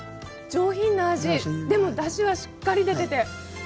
上品な味、でもだしはしっかり出てて。